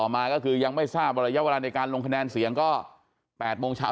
มาก็คือยังไม่ทราบว่าระยะเวลาในการลงคะแนนเสียงก็๘โมงเช้า